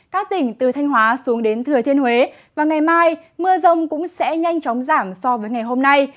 các tỉnh từ thanh hóa xuống đến thừa thiên huế và ngày mai mưa rông cũng sẽ nhanh chóng giảm so với ngày hôm nay